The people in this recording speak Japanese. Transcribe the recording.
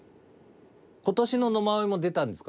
今年の野馬追も出たんですか？